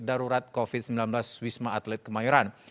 darurat covid sembilan belas wisma atlet kemayoran